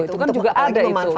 itu kan juga ada manfaatnya